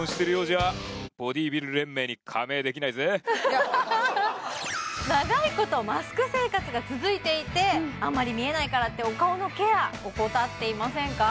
いや長いことマスク生活が続いていてあんまり見えないからってお顔のケア怠っていませんか？